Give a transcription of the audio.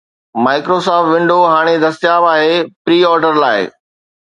Microsoft Windows ھاڻي دستياب آھي پري آرڊر لاءِ